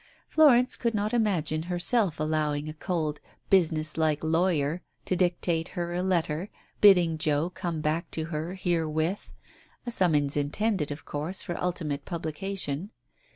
Florence could not imagine herself allowing a cold business like lawyer to dictate her a letter bidding Joe come back to her herewith; $ summons intended, of course, for ultimate publication.